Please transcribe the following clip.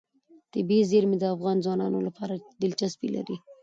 طبیعي زیرمې د افغان ځوانانو لپاره دلچسپي لري.